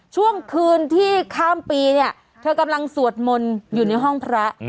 ช่วงคืนที่ข้ามปีเนี่ยเธอกำลังสวดมนต์อยู่ในห้องพระ